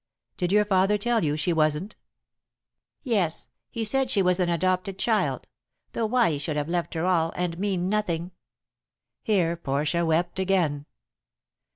"Did your father tell you she wasn't?" "Yes. He said she was an adopted child. Though why he should have left her all, and me nothing " Here Portia wept again.